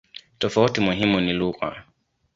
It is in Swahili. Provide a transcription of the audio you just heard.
Tofauti muhimu ni lugha.